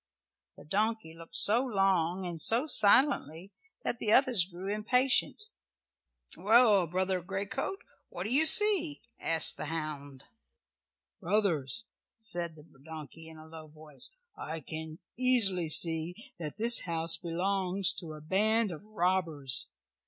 The donkey looked so long and so silently that the others grew impatient. "Well, Brother Greycoat, what do you see?" asked the hound. "Brothers," said the donkey in a low voice, "I can easily see that this house belongs to a band of robbers.